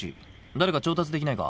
誰か調達できないか？